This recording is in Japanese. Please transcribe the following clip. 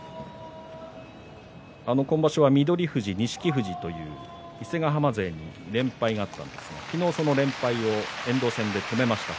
今場所は翠富士、錦富士という伊勢ヶ濱勢、連敗があったんですが、昨日その連敗を遠藤戦で止めました。